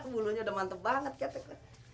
bulunya udah mantep banget katanya